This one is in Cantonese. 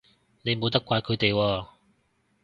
你冇得怪佢哋喎